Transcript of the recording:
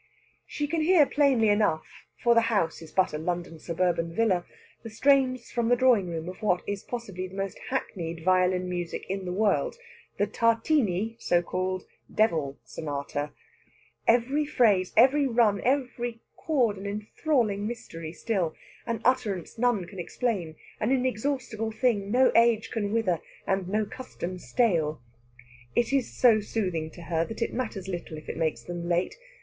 She can hear plainly enough for the house is but a London suburban villa the strains from the drawing room of what is possibly the most hackneyed violin music in the world the Tartini (so called) Devil Sonata every phrase, every run, every chord an enthralling mystery still, an utterance none can explain, an inexhaustible thing no age can wither, and no custom stale. It is so soothing to her that it matters little if it makes them late.